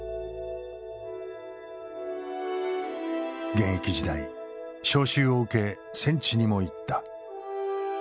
現役時代召集を受け戦地にも行った。